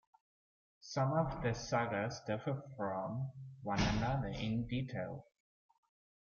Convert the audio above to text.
Some of the sagas differ from one another in detail.